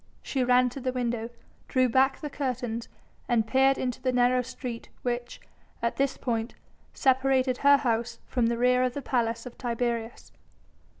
She ran to the window, drew back the curtains and peered into the narrow street which, at this point, separated her house from the rear of the Palace of Tiberius.